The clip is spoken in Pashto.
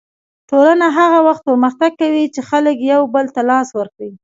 ټولنه هغه وخت پرمختګ کوي چې خلک یو بل ته لاس ورکړي.